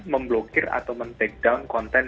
memblokir atau men take down konten